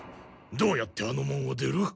どうやってあの門を出る？